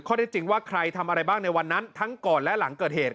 ได้จริงว่าใครทำอะไรบ้างในวันนั้นทั้งก่อนและหลังเกิดเหตุ